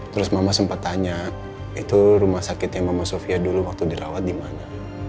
terus mama sempat tanya itu rumah sakitnya mama sofia dulu waktu dirawat di mana